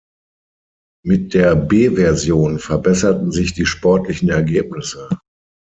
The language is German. Mit der B-Version verbesserten sich die sportlichen Ergebnisse.